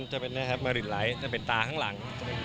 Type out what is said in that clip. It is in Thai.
จะเป็นนี่จะเป็นตาข้างหลัง